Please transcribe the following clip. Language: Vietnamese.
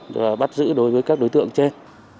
và bắt giữ đối với các đối tượng trên